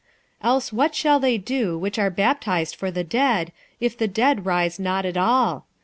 46:015:029 Else what shall they do which are baptized for the dead, if the dead rise not at all?